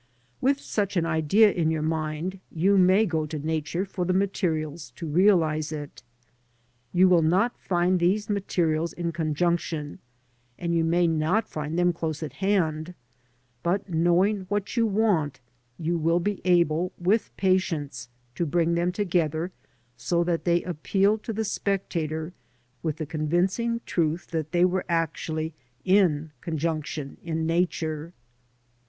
With such an idea in your mind you may go to Nature for the materials to realise it. You will not find these materials in conjunction, and you may not find them close at hand, but knowing what you want, you will be able with patience to bring them together so that they appeal to the spectator with the convincing truth that they were actually in conjunction in Nature.